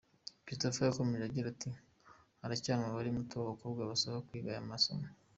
Christopher yakomeje agira ati “Haracyari umubare muto w’abakobwa basaba kwiga aya masomo.